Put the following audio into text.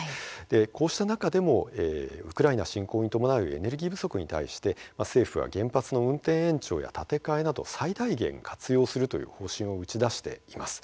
こうした中でもウクライナ侵攻に伴うエネルギー不足に対して政府は原発の運転延長や建て替えなど最大限活用するという方針を打ち出しています。